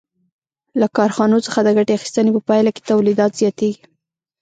له کارخانو څخه د ګټې اخیستنې په پایله کې تولیدات زیاتېږي